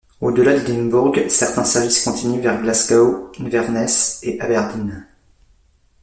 Au-delà d'Édimbourg, certains services continuent vers Glasgow, Inverness et Aberdeen.